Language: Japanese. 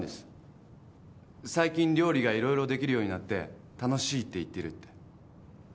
「最近料理がいろいろできるようになって楽しい」って言ってるって。